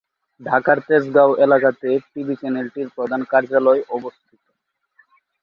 ঢাকার তেজগাঁও এলাকাতে টিভি চ্যানেলটির প্রধান কার্যালয় অবস্থিত।